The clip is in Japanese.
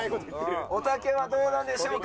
おたけはどうなんでしょうか。